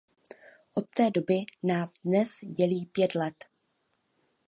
Od té doby nás dnes dělí pět let.